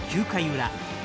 ９回裏。